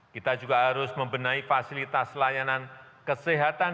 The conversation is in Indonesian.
kita juga harus membenahi fasilitas layanan kesehatan